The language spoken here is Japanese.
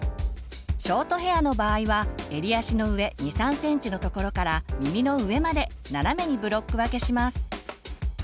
ショートヘアの場合は襟足の上２３ｃｍのところから耳の上まで斜めにブロック分けします。